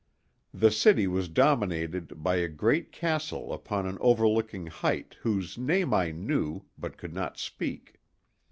The city was dominated by a great castle upon an overlooking height whose name I knew, but could not speak.